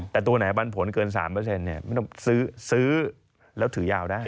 แต่ตัวไหนปันผลเกิน๓ไม่ต้องซื้อแล้วถือยาวได้